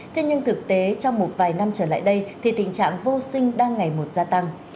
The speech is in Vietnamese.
thế nhưng thực tế trong một vài năm trở lại đây thì tình trạng vô sinh đang ngày một gia tăng